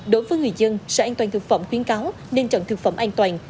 đối với người dân sở an toàn thực phẩm khuyến cáo nên chọn thực phẩm an toàn